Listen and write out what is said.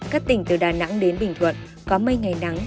các tỉnh từ đà nẵng đến bình thuận có mây ngày nắng